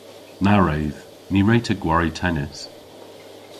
Na wredh. Ny wre'ta gwari tennis.